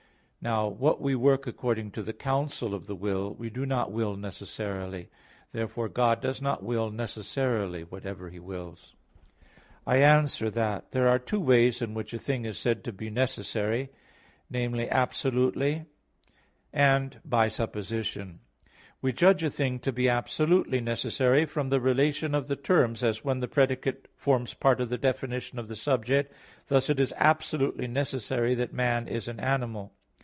Now, what we work according to the counsel of the will, we do not will necessarily. Therefore God does not will necessarily whatever He wills. I answer that, There are two ways in which a thing is said to be necessary, namely, absolutely, and by supposition. We judge a thing to be absolutely necessary from the relation of the terms, as when the predicate forms part of the definition of the subject: thus it is absolutely necessary that man is an animal.